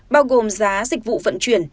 bao gồm giá dịch vụ vận chuyển